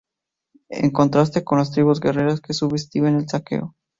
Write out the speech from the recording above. En contraste con las tribus guerreras que subsisten del saqueo".